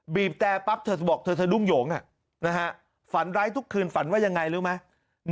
แต่ปั๊บเธอบอกเธอสะดุ้งหยงฝันร้ายทุกคืนฝันว่ายังไงรู้ไหม